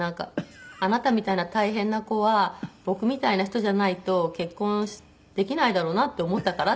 「あなたみたいな大変な子は僕みたいな人じゃないと結婚できないだろうなって思ったから」って言ってました。